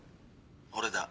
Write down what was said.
俺だ。